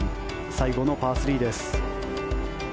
最後のパー３です。